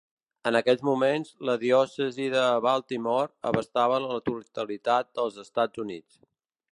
En aquells moments, la diòcesi de Baltimore abastava la totalitat dels Estats Units.